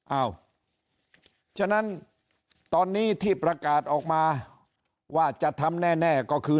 เอ้าฉะนั้นตอนนี้ที่ประกาศออกมาว่าจะทำแน่ก็คือ